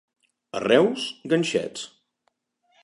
A Reus, ganxets.